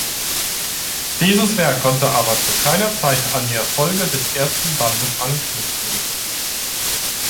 Dieses Werk konnte aber zu keiner Zeit an die Erfolge des ersten Bandes anknüpfen.